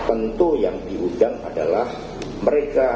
tentu yang diundang adalah mereka